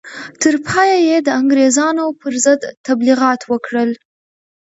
تر پایه یې د انګرېزانو پر ضد تبلیغات وکړل.